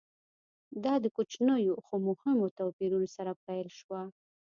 دا د کوچنیو خو مهمو توپیرونو سره پیل شوه